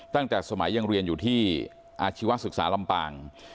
ตั้งแต่สมัยยังเรียนอยู่ที่อาชีวศึกษาลำปาง